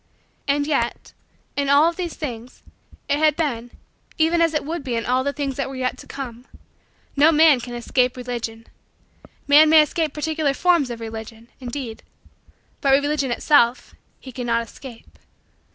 And yet, in all of these things it had been even as it would be in all the things that were yet to come. No man can escape Religion. Man may escape particular forms of Religion, indeed, but Religion itself he cannot escape.